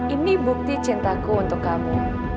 ini bukti cintaku untuk kamu